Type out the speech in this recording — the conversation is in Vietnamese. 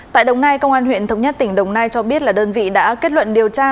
tại đồng nai công an huyện thống nhất tỉnh đồng nai cho biết là đơn vị đã kết luận điều tra